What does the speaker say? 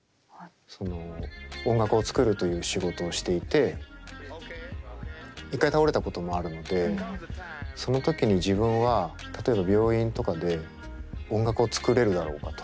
その音楽を作るという仕事をしていて一回倒れたこともあるのでその時に自分は例えば病院とかで音楽を作れるだろうかと。